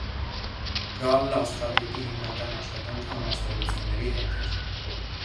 Գալլ աստղագետի հիմնական աշխատանքը համաստեղությունների հետ էր։